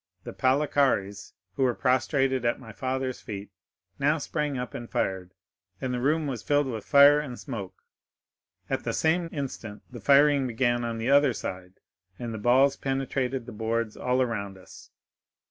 The Palikares, who were prostrated at my father's feet, now sprang up and fired, and the room was filled with fire and smoke. At the same instant the firing began on the other side, and the balls penetrated the boards all round us.